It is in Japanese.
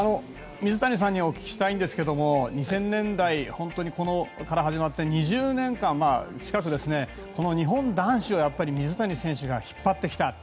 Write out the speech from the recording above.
水谷さんにお聞きしたいんですが２０００年代から始まって２０年間近く、この日本男子を水谷選手が引っ張ってきたと。